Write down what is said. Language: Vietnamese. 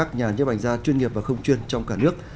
cho ảnh gia chuyên nghiệp và không chuyên trong cả nước